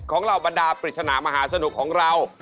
เหล่าบรรดาปริศนามหาสนุกของเรา